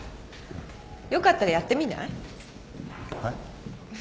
よかったらやってみない？えっ！？